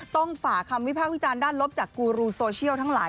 ฝ่าคำวิพากษ์วิจารณ์ด้านลบจากกูรูโซเชียลทั้งหลาย